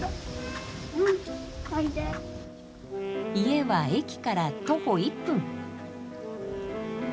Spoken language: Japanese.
家は駅から徒歩１分。